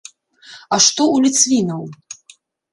А што ў ліцвінаў?